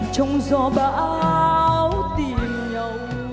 trong gió bão tìm nhau